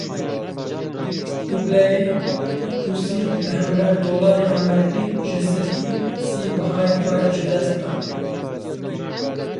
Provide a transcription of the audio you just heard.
Rubleyê Rûsî li hember Dolarê Amerîkî ji sedî sî bihayê xwe ji dest da.